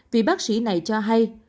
vị bác sĩ này cho hay